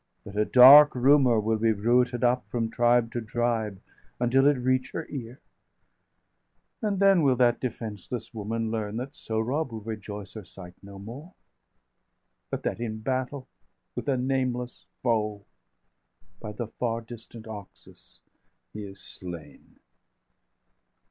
595 But a dark rumour will be bruited up,° °596 From tribe to tribe, until it reach her ear; And then will that defenceless woman learn That Sohrab will rejoice her sight no more, But that in battle with a nameless foe, 600 By the far distant Oxus, he is slain."